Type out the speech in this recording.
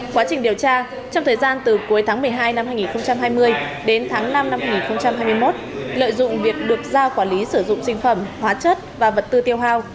quá trình điều tra trong thời gian từ cuối tháng một mươi hai năm hai nghìn hai mươi đến tháng năm năm hai nghìn hai mươi một lợi dụng việc được giao quản lý sử dụng sinh phẩm hóa chất và vật tư tiêu hào